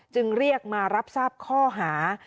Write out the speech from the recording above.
จึงเรียกมารับทราบข้อหา